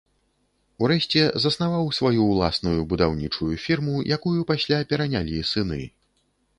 У рэшце заснаваў сваю ўласную будаўнічую фірму, якую пасля перанялі сыны.